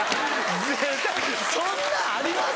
そんなんあります？